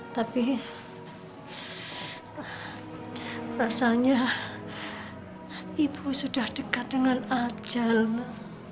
tapi rasanya ibu sudah dekat dengan ajal nak